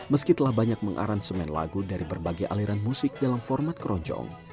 meskipun telah banyak mengaran semen lagu dari berbagai aliran musik dalam format keroncong